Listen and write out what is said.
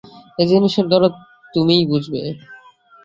এ জিনিসের দরদ তুমিই বুঝবে।